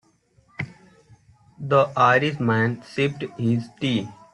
The Irish man sipped his tea.